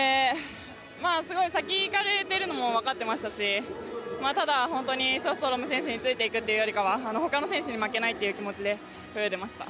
先に行かれているのも分かっていましたしただ、ショーストロム選手についていくというよりは他の選手に負けないという気持ちで泳いでました。